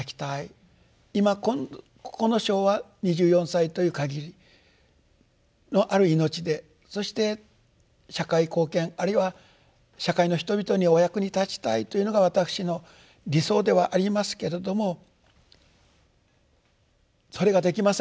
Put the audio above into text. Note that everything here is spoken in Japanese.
今この生は２４歳という限りのある命でそして社会貢献あるいは社会の人々にお役に立ちたいというのが私の理想ではありますけれどもそれができませんと。